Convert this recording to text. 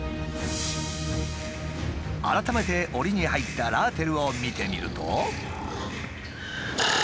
改めてオリに入ったラーテルを見てみると。